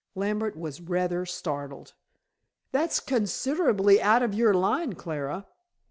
Lambert was rather startled. "That's considerably out of your line, Clara."